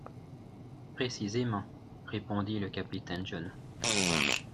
Précisément, » répondit le capitaine John.